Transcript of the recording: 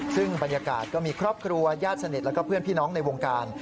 ซึ่งบรรยากาศก็มีครอบครัวญาติสนิทแล้วก็เพื่อนพี่น้องในวงการ